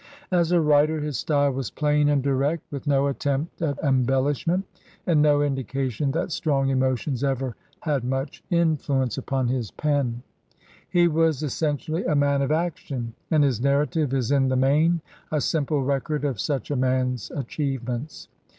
As a writer, his style was plain and direct, with no attempt at embellishment and no indica tion that strong emotions ever had much influence 54 CRUSADERS OF NEW FRANCE upon his pen. He was essentially a man of action* and his narrative is in the main a simple record of such a man's achievements.